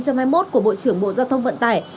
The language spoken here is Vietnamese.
của bộ trưởng bộ giao thông vận tải